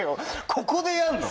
ここでやんの？